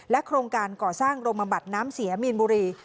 โครงการก่อสร้างโรบัดน้ำเสียมีนบุรี